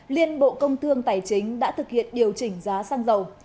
liên bộ công thương tài chính đã thực hiện điều chỉnh giá xăng dầu